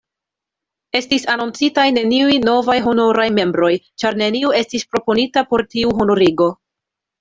Estis anoncitaj neniuj novaj honoraj membroj, ĉar neniu estis proponita por tiu honorigo.